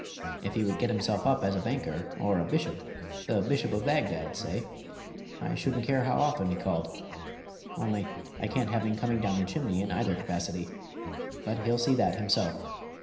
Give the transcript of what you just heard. If he would get himself up as a banker, or a bishop the Bishop of Bagdad, say I shouldn't care how often he called. Only, I can't have him coming down the chimney in either capacity. But he'll see that himself.